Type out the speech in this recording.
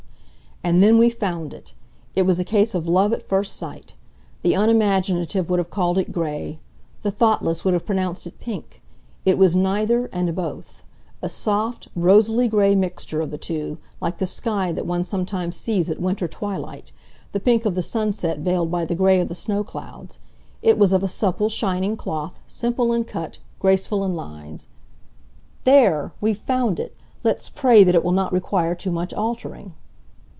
And then we found it! It was a case of love at first sight. The unimaginative would have called it gray. The thoughtless would have pronounced it pink. It was neither, and both; a soft, rosily gray mixture of the two, like the sky that one sometimes sees at winter twilight, the pink of the sunset veiled by the gray of the snow clouds. It was of a supple, shining cloth, simple in cut, graceful in lines. "There! We've found it. Let's pray that it will not require too much altering."